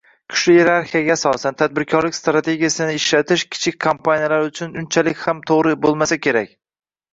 Kuchli iyerarxiyaga asoslangan tadbirkorlik strategiyasini ishlatish kichik kompaniyalar uchun unchalik ham toʻgʻri boʻlmasa kerak.